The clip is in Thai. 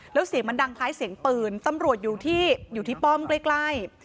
แล้วเสียงมันดังคล้ายเสียงปืนตำรวจอยู่ที่อยู่ที่ป้อมใกล้